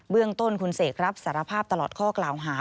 เรื่องต้นคุณเสกรับสารภาพตลอดข้อกล่าวหา